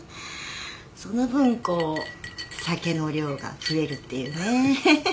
その分こう酒の量が増えるっていうね。